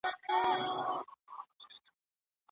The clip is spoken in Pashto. ولې افغان سوداګر کرنیز ماشین الات له ایران څخه واردوي؟